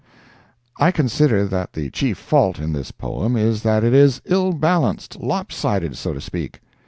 I consider that the chief fault in this poem is that it is ill balanced—lop sided, so to speak.